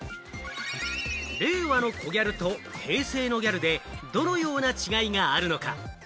令和のコギャルと平成のギャルでどのような違いがあるのか？